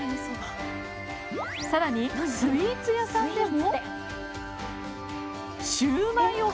更にスイーツ屋さんでも。